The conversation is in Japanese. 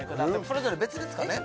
それぞれ別ですかね？